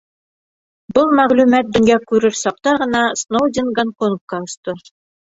Был мәғлүмәт донъя күрер саҡта ғына Сноуден Гонконгка осто.